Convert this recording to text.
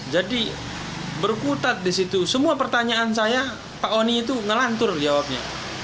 jadi berkutat di situ semua pertanyaan saya pak oni itu ngelantur jawabnya